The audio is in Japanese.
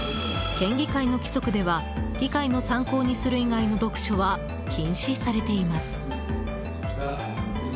県議会の規則では議会の参考にする以外の読書は禁止されています。